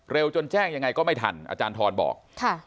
เร็วจนแจ้งยังไงก็ไม่ทันอาจารย์ทอนบอกค่ะ